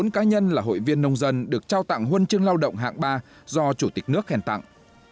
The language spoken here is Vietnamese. bốn cá nhân là hội viên nông dân được trao tặng huân chương lao động hạng ba do chủ tịch nước khen tặng